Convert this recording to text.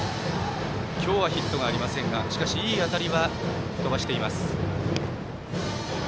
今日はヒットがありませんがしかし、いい当たりは飛ばしています。